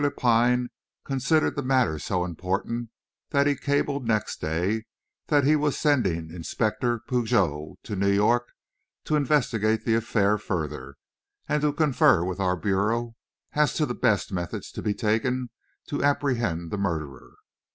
Lepine considered the matter so important that he cabled next day that he was sending Inspector Pigot to New York to investigate the affair further, and to confer with our bureau as to the best methods to be taken to apprehend the murderer.